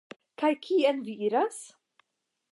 Kaj kien vi iras?